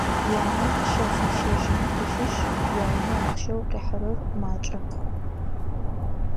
Янэ щэфын-щэжьыным пылъышъ, яунэ ахъщэу къихьэрэр макӏэп.